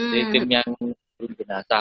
tim tim yang mengurusi jenazah